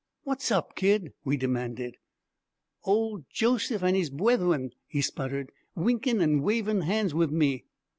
'What's up, kid?' we demanded. 'Ole Joseph an' his bwethern,' he sputtered, 'winkin' an' wavin' hands wiv me!'